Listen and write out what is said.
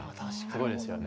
すごいですよね。